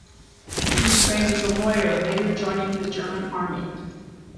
He was trained as a lawyer, later joining the German Army.